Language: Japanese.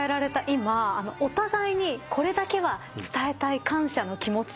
今お互いにこれだけは伝えたい感謝の気持ち。